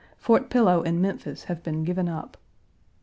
Fort Pillow and Memphis1 have been given up.